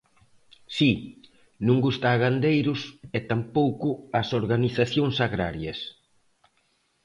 Si, non gusta a gandeiros e tampouco ás organizacións agrarias.